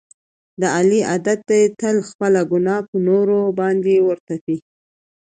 د علي عادت دی تل خپله ګناه په نورو باندې ور تپي.